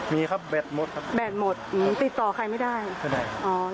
มีครับแบตหมดครับแบตหมดติดต่อใครไม่ได้